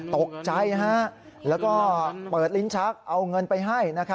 ตกใจแล้วก็เปิดลิ้นชักเอาเงินไปให้